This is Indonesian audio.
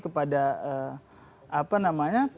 kepada apa namanya